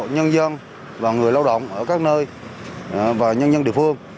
nhân dân và người lao động ở các nơi và nhân dân địa phương